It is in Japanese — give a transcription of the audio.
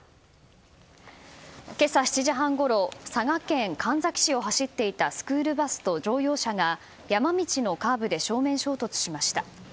今朝７時半ごろ、佐賀県神埼市を走っていたスクールバスと乗用車が山道のカーブで正面衝突しました。